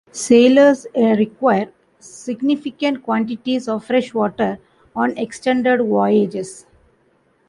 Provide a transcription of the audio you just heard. Sailors require significant quantities of fresh water on extended voyages.